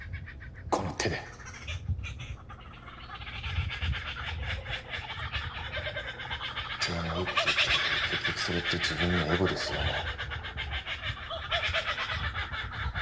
この手で体のいいこと言ってるけど結局それって自分のエゴですよね